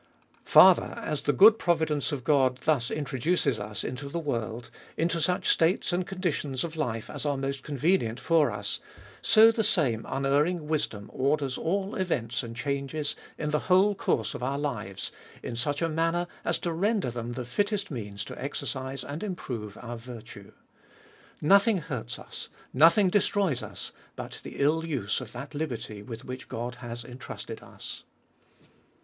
Farther, as the good providence of God thus introduces us into the world, into such states and conditions of life as are most convenient for us ; so the same unerring wisdom orders all events and changes in the whole course of our hves in such a manner, as to render them the fit test means to exercise and improve our virtue. No thing hurts us, nothing destroys us, but the ill use of that liberty with which God has entrusted us.